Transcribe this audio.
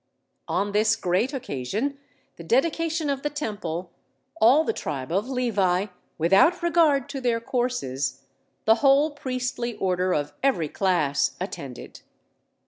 On this great occasion, the Dedication of the Temple, all the tribe of Levi, without regard to their courses, the whole priestly order of every class, attended.